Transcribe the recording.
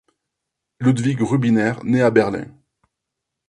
Ludwig Rubiner naît à Berlin.